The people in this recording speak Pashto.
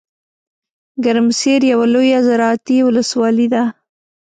ګرمسیر یوه لویه زراعتي ولسوالۍ ده .